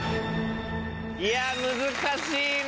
いや難しいな。